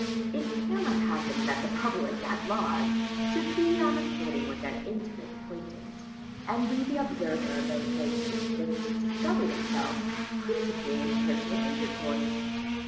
It cannot happen that the public at large should be on a footing with their intimate acquaintance, and be the observer of those virtues which discover themselves principally in personal intercourse.